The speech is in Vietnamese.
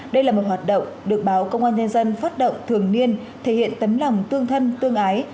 đây là một hoạt động được báo công an nhân dân phát động thường niên thể hiện tấm lòng tương thân tương ái